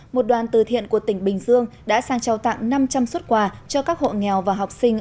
một đoàn từ thiện của tỉnh bình dương đã sang trao tặng năm trăm linh xuất quà cho các hộ nghèo và học sinh